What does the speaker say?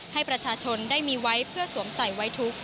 ให้ประชาชนได้มีไว้เพื่อสวมใส่ไว้ทุกข์